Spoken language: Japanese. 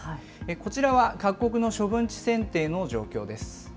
こちらは各国の処分地選定の状況です。